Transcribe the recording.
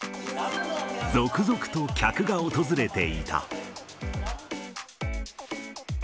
続々と客が訪れていた。